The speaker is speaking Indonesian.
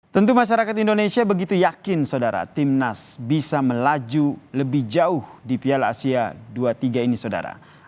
tentu masyarakat indonesia begitu yakin saudara timnas bisa melaju lebih jauh di piala asia u dua puluh tiga ini saudara